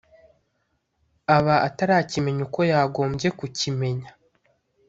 aba atarakimenya uko yagombye kukimenya